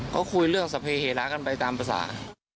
ก็คุยเรื่องสะเพรากันไปตามภาษา